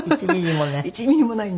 １ミリもない。